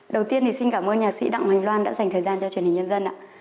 đầu tiên thì xin cảm ơn nhà sĩ đạm hoành loan đã dành thời gian cho truyền hình nhân dân